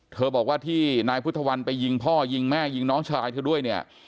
บอกว่าที่นายพุทธวันไปยิงพ่อยิงแม่ยิงน้องชายเธอด้วยเนี่ย